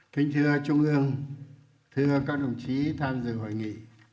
kính thưa trung ương thưa các đồng chí tham dự hội nghị